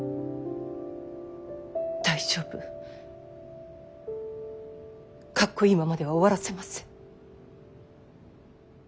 大丈夫格好いいままでは終わらせません。